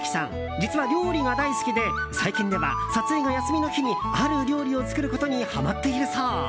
実は料理が大好きで最近では撮影が休みの日にある料理を作ることにはまっているそう。